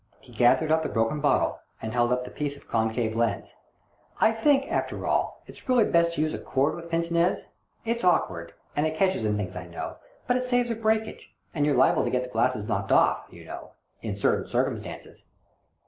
He gathered up the broken bottle, and held up the piece of concave lens. "I think, after all, it's really best to use a cord with pince nez. It's awkward, and it catches in things, I know, but it saves a breakage, and you're liable to get the glasses knocked off, you know — in certain circumstances."